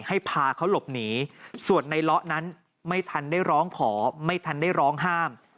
ให้พาเขาหลบหนีส่วนในเลาะนั้นไม่ทันได้ร้องขอไม่ทันได้ร้องห้าม